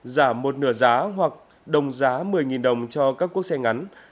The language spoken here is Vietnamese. giảm một nửa giá hoặc đồng giá một mươi đồng cho các cuốc xe ngắn